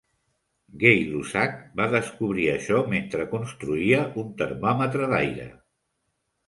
Gay Lussac va descobrir això mentre construïa un "termòmetre d'aire".